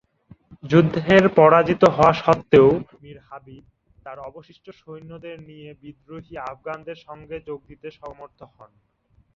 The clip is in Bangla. যুদ্ধের পরাজিত হওয়া সত্ত্বেও মীর হাবিব তাঁর অবশিষ্ট সৈন্যদের নিয়ে বিদ্রোহী আফগানদের সঙ্গে যোগ দিতে সমর্থ হন।